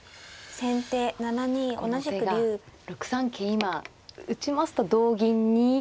今打ちますと同銀に。